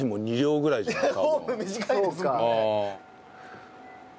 ホーム短いですからね。